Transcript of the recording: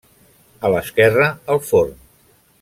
A l'esquerra el forn.